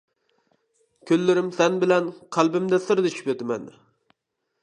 كۈنلىرىم سەن بىلەن قەلبىمدە سىردىشىپ ئۆتىمەن.